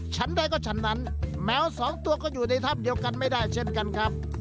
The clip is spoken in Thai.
ใดก็ฉันนั้นแมวสองตัวก็อยู่ในถ้ำเดียวกันไม่ได้เช่นกันครับ